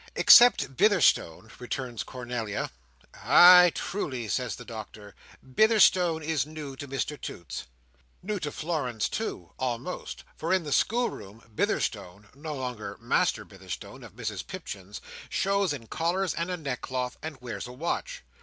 "Except Bitherstone," returns Cornelia. "Ay, truly," says the Doctor. "Bitherstone is new to Mr Toots." New to Florence, too, almost; for, in the schoolroom, Bitherstone—no longer Master Bitherstone of Mrs Pipchin's—shows in collars and a neckcloth, and wears a watch.